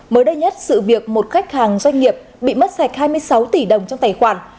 mới đây nhất sự việc một khách hàng doanh nghiệp bị mất sạch hai mươi sáu tỷ đồng trong tài khoản